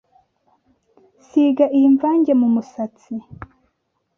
Siga iyi mvange mu musatsi